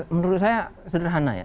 menurut saya sederhana ya